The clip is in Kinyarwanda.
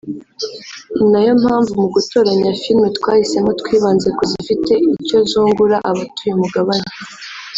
ni nayo mpamvu mu gutoranya filime twahisemo twibanze ku zifite icyo zungura abatuye umugabane